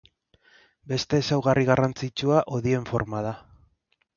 Beste ezaugarri garrantzitsua hodien forma da.